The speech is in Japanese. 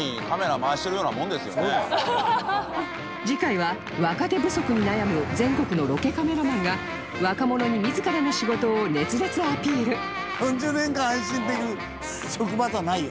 次回は若手不足に悩む全国のロケカメラマンが若者に自らの仕事を熱烈アピール